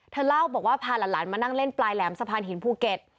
เล่าบอกว่าพาหลานมานั่งเล่นปลายแหลมสะพานหินภูเก็ต